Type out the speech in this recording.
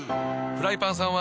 フライパンさんは。